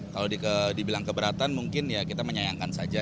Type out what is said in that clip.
kalau dibilang keberatan mungkin ya kita menyayangkan saja